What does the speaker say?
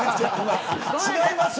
違います。